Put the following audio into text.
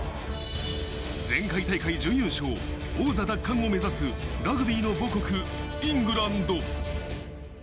前回大会は準優勝、王座奪還を目指すラグビーの母国イングランド。